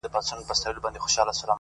پرون دي بيا راته غمونه راكړل!